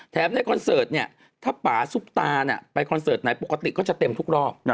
ในคอนเสิร์ตเนี่ยถ้าป่าซุปตาไปคอนเสิร์ตไหนปกติก็จะเต็มทุกรอบ